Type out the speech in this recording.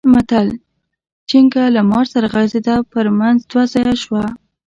متل؛ چينګه له مار سره غځېده؛ پر منځ دوه ځايه شوه.